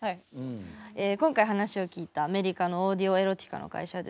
今回話を聞いたアメリカのオーディオエロティカの会社はですね